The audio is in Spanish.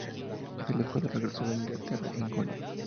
El escuadrón regresó a Inglaterra en junio.